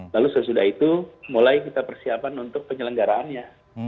lalu sesudah itu mulai kita persiapan untuk penyelenggaraannya